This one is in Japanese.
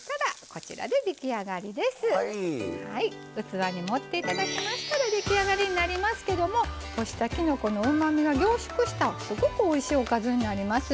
器に盛っていただきましたら出来上がりになりますけども干したきのこのうまみが凝縮したすごくおいしいおかずになります。